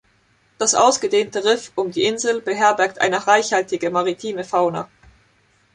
Das ausgedehnte Riff um die Insel beherbergt eine reichhaltige maritime Fauna.